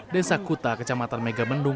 desa kuta kecamatan megabendung